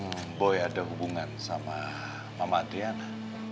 apa memang boy ada hubungan sama mama adriana